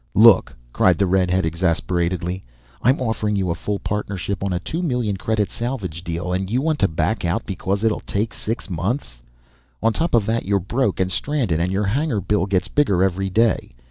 "Look," cried the redhead exasperatedly, "I'm offering you a full partnership on a two million credit salvage deal and you want to back out because it'll take six months. On top of that you're broke and stranded and your hangar bill gets bigger every day.